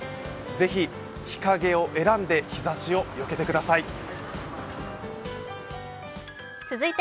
是非、日陰を選んで日差しをよけてください。